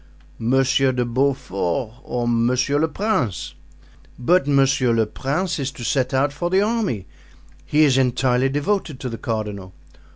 Monsieur de Beaufort or Monsieur le Prince." "But Monsieur le Prince is to set out for the army; he is entirely devoted to the cardinal."